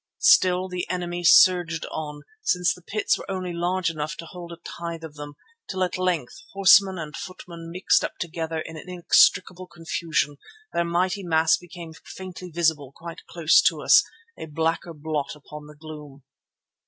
Still the enemy surged on, since the pits were only large enough to hold a tithe of them, till at length, horsemen and footmen mixed up together in inextricable confusion, their mighty mass became faintly visible quite close to us, a blacker blot upon the gloom.